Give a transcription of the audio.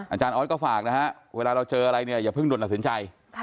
อาจารย์ออสก็ฝากนะฮะเวลาเราเจออะไรเนี่ยอย่าเพิ่งด่วนตัดสินใจ